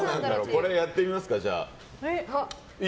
これで、やってみますか。